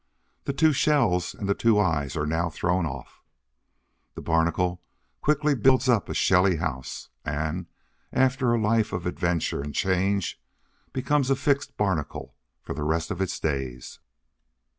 The two shells and the two eyes are now thrown off. The Barnacle quickly builds up a shelly house, and, after a life of adventure and change, becomes a fixed Barnacle for the rest of its days.